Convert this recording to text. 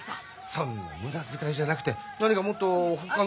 そんな無駄遣いじゃなくて何かもっとほかの。